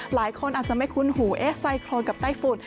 หลายคนอาจจะไม่คุ้นหูเอ๊ไซโครนกับไต้ฝุ่น